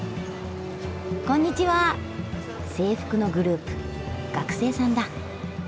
制服のグループ学生さんだ。